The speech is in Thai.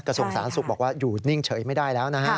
กระทรวงศาสตร์สุขบอกว่าอยู่นิ่งเฉยไม่ได้แล้วนะฮะ